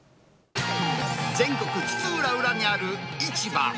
全国津々浦々にある市場。